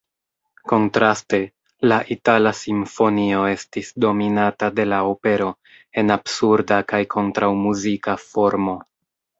Kontraste, la itala simfonio estis dominata de la opero en "absurda kaj kontraŭ-muzika formo".